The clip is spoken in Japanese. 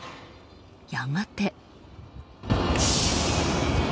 やがて。